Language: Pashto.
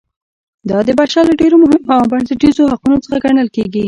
دا د بشر له ډېرو مهمو او بنسټیزو حقونو څخه ګڼل کیږي.